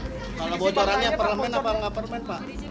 kalau bocorannya parlamen apa nggak parlamen pak